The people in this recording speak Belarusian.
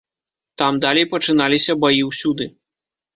Там далей пачыналіся баі ўсюды.